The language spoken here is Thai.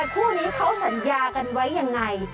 แต่คู่นี้เขาสัญญากันไว้อย่างไร